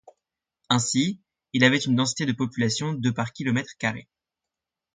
Ainsi, il avait une densité de population de par kilomètre carré.